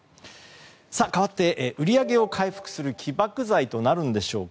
かわって、売り上げを回復する起爆剤となるんでしょうか。